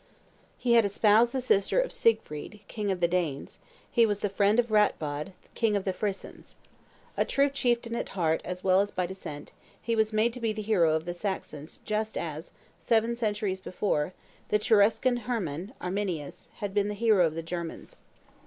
He had espoused the sister of Siegfried, king of the Danes; and he was the friend of Ratbod, king of the Frisons. A true chieftain at heart as well as by descent, he was made to be the hero of the Saxons just as, seven centuries before, the Cheruscan Herrmann (Arminius) had been the hero of the Germans.